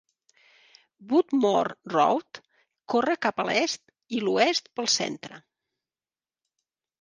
Woodmore Road corre cap a l'est i l'oest pel centre.